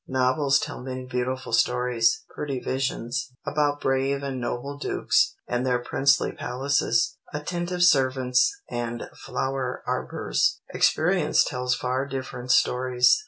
Novels tell many beautiful stories (pretty visions) about brave and noble dukes and their princely palaces, attentive servants, and flower arbors. Experience tells far different stories.